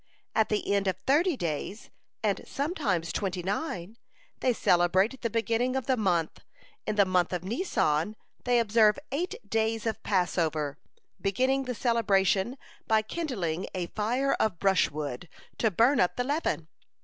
At the end of thirty days, and sometimes twenty nine, they celebrate the beginning of the month. In the month of Nisan they observe eight days of Passover, beginning the celebration by kindling a fire of brushwood to burn up the leaven.